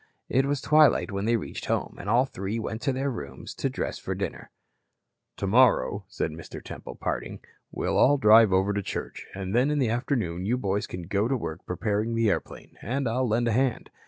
It was twilight when they reached home, and all three went to their rooms to dress for dinner. "Tomorrow," said Mr. Temple in parting, "we'll all drive over to church, and then in the afternoon you boys can go to work preparing the airplane, and I'll lend a hand."